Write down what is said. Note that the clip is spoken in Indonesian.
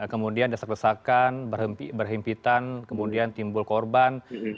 kemudian dasar kesakan berhempitan kemudian timbul korban